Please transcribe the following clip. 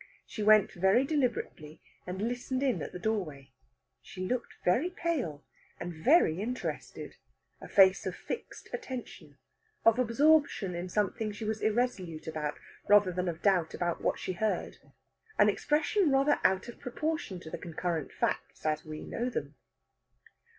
She went very deliberately, and listened in the doorway. She looked very pale, and very interested a face of fixed attention, of absorption in something she was irresolute about, rather than of doubt about what she heard; an expression rather out of proportion to the concurrent facts, as we know them.